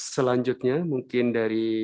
selanjutnya mungkin dari